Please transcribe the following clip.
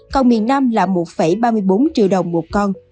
còn miền nam là một ba mươi bốn triệu đồng một con